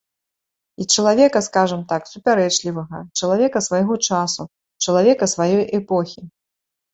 І чалавека, скажам так, супярэчлівага, чалавека свайго часу, чалавека сваёй эпохі.